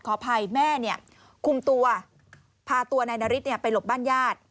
ขออภัยแม่เนี่ยคุมตัวพาตัวนายนาริสไปหลบบ้านญาติ